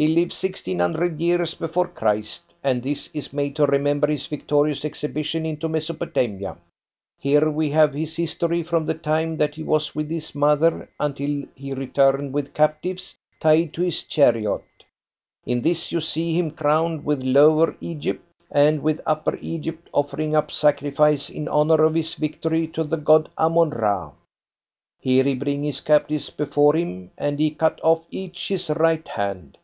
"He live sixteen hundred years before Christ, and this is made to remember his victorious exhibition into Mesopotamia. Here we have his history from the time that he was with his mother, until he return with captives tied to his chariot. In this you see him crowned with Lower Egypt, and with Upper Egypt offering up sacrifice in honour of his victory to the God Ammon ra. Here he bring his captives before him, and he cut off each his right hand.